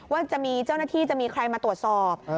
ว่าจะมีเจ้าหน้าที่จะมีใครมาตรวจสอบ